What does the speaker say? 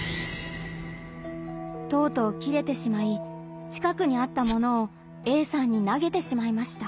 とうとうキレてしまい近くにあった物をＡさんになげてしまいました。